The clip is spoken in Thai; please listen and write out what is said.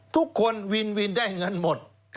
ทุกคนวินวินได้เงินหมด